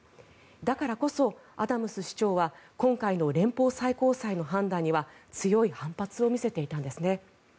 だからこそアダムス市長は今回の連邦最高裁の判断には強い反発を見せていたんですね。